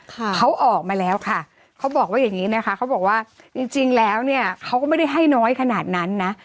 เขาออกมาแล้วค่ะเขาบอกว่าอย่างงี้นะคะเขาบอกว่าจริงจริงแล้วเนี่ยเขาก็ไม่ได้ให้น้อยขนาดนั้นนะ